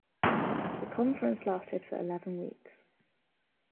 The conference lasted for eleven weeks.